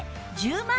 １０万